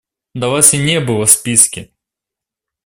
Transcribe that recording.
Да Вас и не было в списке.